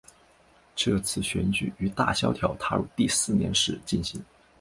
这次选举于大萧条踏入第四年时进行。